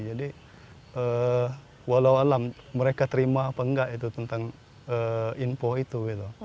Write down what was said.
jadi walau alam mereka terima apa enggak itu tentang info itu